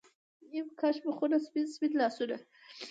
نیم کښ مخونه، سپین، سپین لاسونه